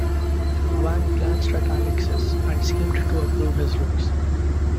Van glanced at Alexis and seemed to approve his looks.